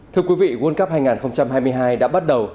thưa quý vị world cup hai nghìn hai mươi hai đã bắt đầu